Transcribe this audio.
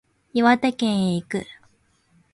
岩手県へ行く